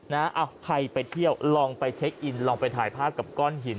เอ้าใครไปเที่ยวลองไปเช็คอินลองไปถ่ายภาพกับก้อนหิน